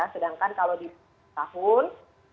sedangkan kalau di tahun